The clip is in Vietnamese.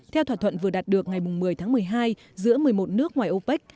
theo thỏa thuận vừa đạt được ngày một mươi tháng một mươi hai giữa một mươi một nước ngoài opec